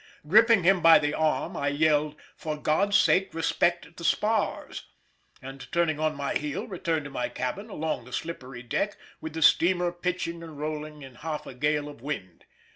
Gripping him by the arm I yelled, "For God's sake respect the spars," and turning on my heel returned to my cabin along the slippery deck, with the steamer pitching and rolling in half a gale of wind.